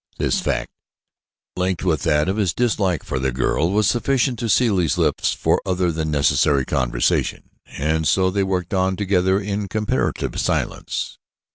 This fact, linked with that of his dislike for the girl, was sufficient to seal his lips for other than necessary conversation, and so they worked on together in comparative silence.